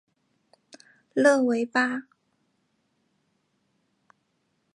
勒维巴。